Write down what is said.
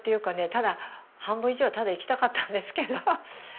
ただ半分以上はただ行きたかったんですけど。